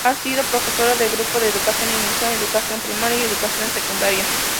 Ha sido profesora de grupo en educación inicial, educación primaria y educación secundaria.